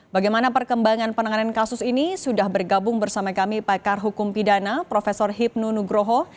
bagaimana perkembangan penanganan kasus ini sudah bergabung bersama kami pakar hukum pidana prof hipnu nugroho